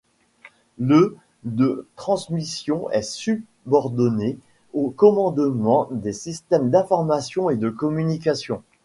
Le de transmissions est subordonné au commandement des systèmes d'information et de communication.